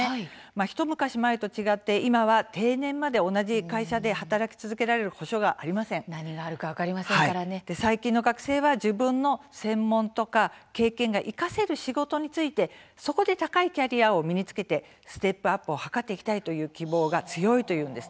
一昔前と違って、今は定年まで同じ会社で何があるか最近の学生は自分の専門や経験を生かせる仕事に就いてそこで高いキャリアを身につけてステップアップを図りたいという希望が強いといいます。